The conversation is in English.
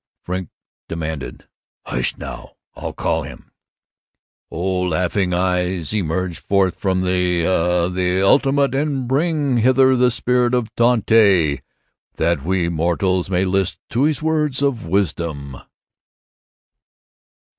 Frink demanded, "Hush, now! I'll call him.... O, Laughing Eyes, emerge forth into the, uh, the ultimates and bring hither the spirit of Dante, that we mortals may list to his words of wisdom."